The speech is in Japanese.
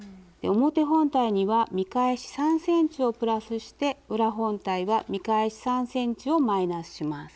表本体には見返し３ｃｍをプラスして裏本体は見返し３ｃｍをマイナスします。